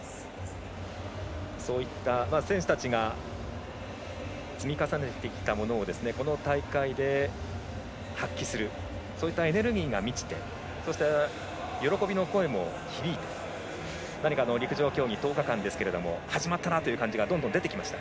そういった選手たちが積み重ねてきたものをこの大会で発揮するそういったエネルギーが満ちてそして、喜びの声も響いて何か陸上競技１０日間ですが始まったなという感じがどんどん出てきました。